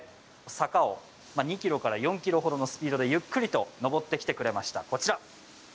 坂を２キロから４キロほどのスピードで、ゆっくりと上ってきてくれました、こちら。